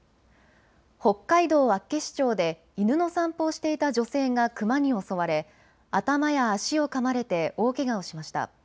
北海道厚岸町で犬の散歩をしていた女性がクマに襲われ頭や足をかまれて大けがをしました。